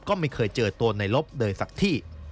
ก็ไม่เคยเจอตัวนายลบเดินสักที่